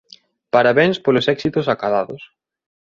Parabéns polos éxitos acadados